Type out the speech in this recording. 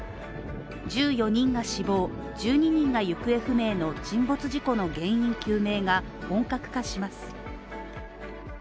１４人が死亡、１２人が行方不明の沈没事故の原因究明が本格化します。